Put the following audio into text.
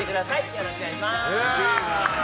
よろしくお願いします！